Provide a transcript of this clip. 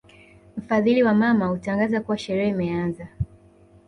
Mfadhili wa mama hutangaza kuwa sherehe imeanza